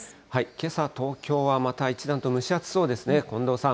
けさ、東京はまた一段と蒸し暑そうですね、近藤さん。